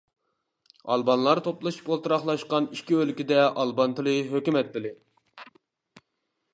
ئالبانلار توپلىشىپ ئولتۇراقلاشقان ئىككى ئۆلكىدە ئالبان تىلى ھۆكۈمەت تىلى.